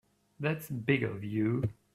That's big of you.